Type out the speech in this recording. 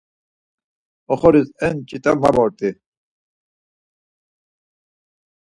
Oxoris eni ç̌ut̆a ma vort̆i.